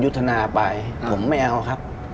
ยุทธนาไปผมไม่เอาครับ